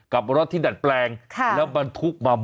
กับรถที่ดัดแปลงแล้วบรรทุกมา